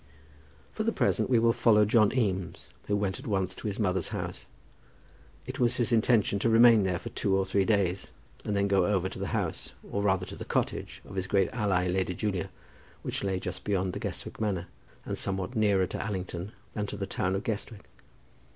For the present we will follow John Eames, who went at once to his mother's house. It was his intention to remain there for two or three days, and then go over to the house, or rather to the cottage, of his great ally Lady Julia, which lay just beyond Guestwick Manor, and somewhat nearer to Allington than to the town of Guestwick.